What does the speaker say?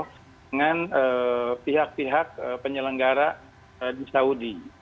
dengan pihak pihak penyelenggara di saudi